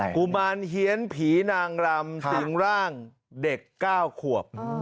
กุมารเฮียนผีนางรำสิงร่างเด็ก๙ขวบ